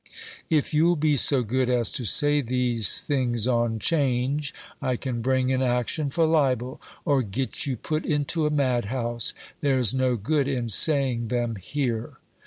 "If you'll be so good as to say these things on 'Change, I can bring an action for libel, or get you put into a madhouse. There's no good in saying them here."